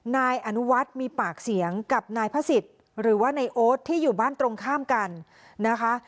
นายอนุวัฒน์มีปากเสียงกับนายพระศิษย์หรือว่านายโอ๊ตที่อยู่บ้านตรงข้ามกันนะคะ